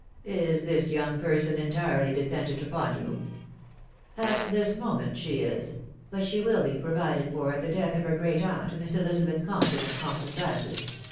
.... Is this young person entirely dependent upon you ?"" At this moment she is ; but she will be provided for at the death of her great aunt, Mrs. Elizabeth Com p ton of Compton Basett